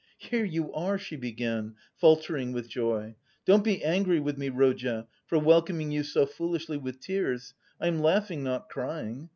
"Here you are!" she began, faltering with joy. "Don't be angry with me, Rodya, for welcoming you so foolishly with tears: I am laughing not crying.